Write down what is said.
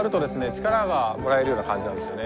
力がもらえるような感じなんですよね。